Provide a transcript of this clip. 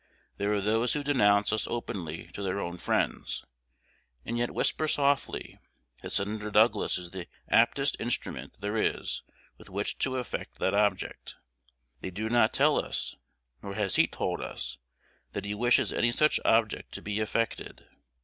There are those who denounce us openly to their own friends, and yet whisper softly, that Senator Douglas is the aptest instrument there is with which to effect that object. They do not tell us, nor has he told us, that he wishes any such object to be effected.